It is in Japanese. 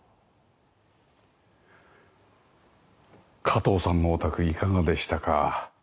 加藤さんのお宅いかがでしたか？